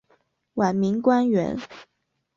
晚明官员。